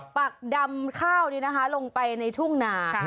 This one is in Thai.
ปักดำข้าวนี้นะคะลงไปในทุ่งนา